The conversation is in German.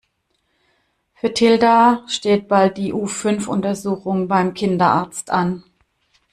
Für Tilda steht bald die U-Fünf Untersuchung beim Kinderarzt an.